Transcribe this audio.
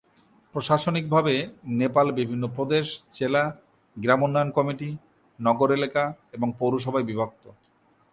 প্রশাসনিকভাবে নেপাল বিভিন্ন প্রদেশ, জেলা, গ্রাম উন্নয়ন কমিটি, নগর এলাকা এবং পৌরসভায় বিভক্ত।